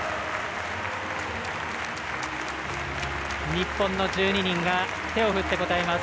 日本の１２人が手を振って応えます。